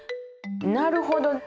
なるほど。